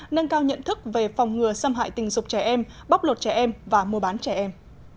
nâng cao nhận thức về phòng ngừa xâm hại tình dục trẻ em bóc lột trẻ em và mua bán trẻ em